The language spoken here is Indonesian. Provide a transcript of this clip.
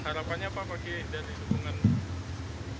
harapannya pak pak g dari dukungan